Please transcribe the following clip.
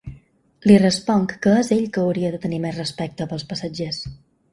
Li responc que és ell que hauria de tenir més respecte pels passatgers.